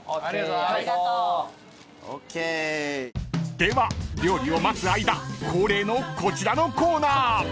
［では料理を待つ間恒例のこちらのコーナー］